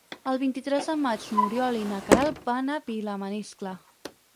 El vint-i-tres de maig n'Oriol i na Queralt van a Vilamaniscle.